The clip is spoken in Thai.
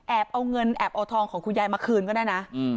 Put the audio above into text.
เอาเงินแอบเอาทองของคุณยายมาคืนก็ได้นะ